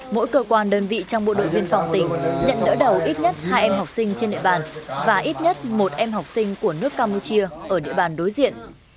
mỗi cơ quan đơn vị trong bộ đội biên phòng tỉnh nhận đỡ đầu ít nhất hai em học sinh trên địa bàn và ít nhất một em học sinh của nước campuchia ở địa bàn đối diện